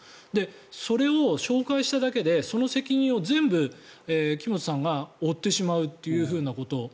それを紹介しただけでその責任を全部木本さんが負ってしまうということ。